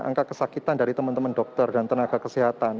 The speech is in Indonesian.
angka kesakitan dari teman teman dokter dan tenaga kesehatan